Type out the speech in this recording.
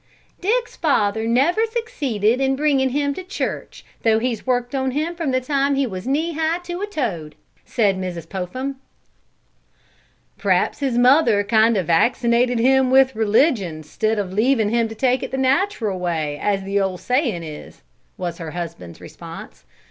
"Dick's father's never succeeded in bringing him into the church, though he's worked on him from the time he was knee high to a toad," said Mrs. Popham. "P'raps his mother kind o' vaccinated him with religion 'stid o' leavin' him to take it the natural way, as the ol' sayin' is," was her husband's response.